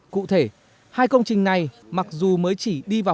cụ thể hai công trình này mặc dù mới chỉ đi vào